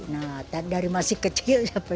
nah dari masih kecil sampai